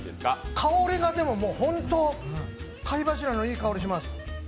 香りが本当に貝柱のいい香りがします。